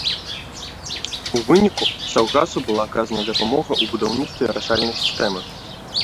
У выніку саўгасу была аказана дапамога ў будаўніцтве арашальнай сістэмы.